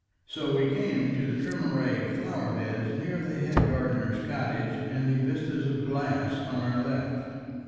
So we came to the trim array of flower beds near the head gardener's cottage and the vistas of "glass" on our left.